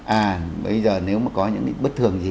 à bây giờ nếu mà có những cái bất thường gì